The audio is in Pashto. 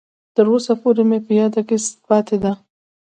تر اوسه پورې مې په یاد کې پاتې ده.